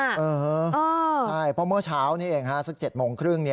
ใช่เพราะเมื่อเช้านี้เองฮะสัก๗โมงครึ่ง